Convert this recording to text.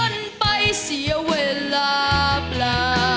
ไปเสียเวลาเปล่า